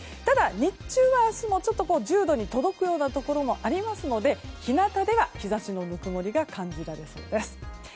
ただ日中は明日もちょっと１０度に届くようなところもありますので日なたでは日差しのぬくもりが感じられそうです。